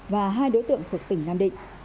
và hai đối tượng thuộc tỉnh nam định